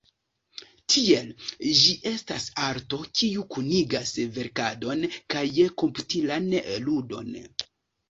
Tiel, ĝi estas arto, kiu kunigas verkadon kaj komputilan ludon.